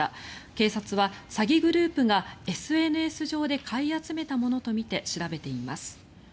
警察は詐欺グループがＳＮＳ上で買い集めたものとみて調べています。